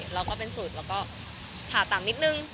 เราก็เป็นสูตรแล้วเเถา่ำลิดนึง